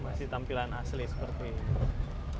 masih tampilan asli seperti ini